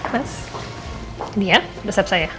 mas ini ya resep saya